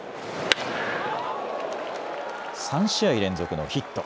３試合連続のヒット。